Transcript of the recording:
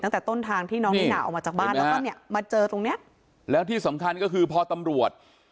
ตั้งแต่ต้นทางที่น้องนิน่าออกมาจากบ้านแล้วก็เนี่ยมาเจอตรงเนี้ยแล้วที่สำคัญก็คือพอตำรวจ